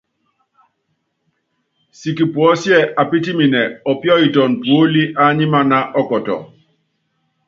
Siki puɔ́síɛ apítiminɛ ɔpíɔ́yitɔnɔ puólí ányímaná ɔkɔtɔ.